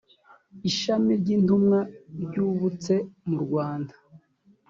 ishami ry’intumwa ry’ububyutse mu rwanda